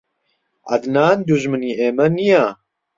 عەدنان دوژمنی ئێمە نییە.